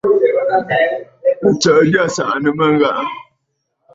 Àtsə̀ʼə̀ já á sáʼánə́mə́ ghàrə̀.